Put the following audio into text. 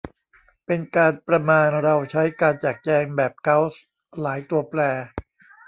เป็นการประมาณเราใช้การแจกแจงแบบเกาส์หลายตัวแปร